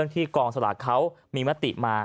ที่กองสลากเขามีมติมา